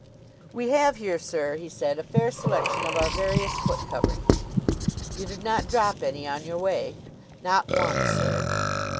"We have here, sir," he said, "a fair selection of our various foot coverings." "You did not drop any on your way?" "Not one, sir."